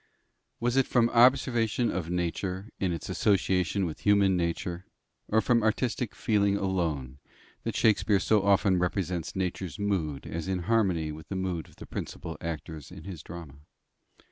Was it from observation of nature in its association with human nature, or from artistic feeling alone, that Shakspere so often represents Nature's mood as in harmony with the mood of the principal actors in his drama?